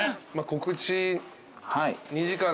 告知。